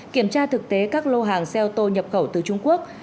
kiểm tra thực tế các lô hàng xe ô tô nhập khẩu từ trung quốc